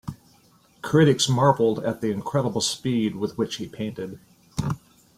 Critics marvelled at the incredible speed with which he painted.